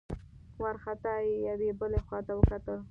وارخطا يې يوې بلې خواته وکتل.